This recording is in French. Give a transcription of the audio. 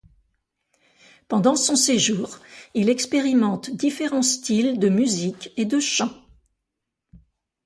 Pendant son séjour, il expérimente différents styles de musique et de chant.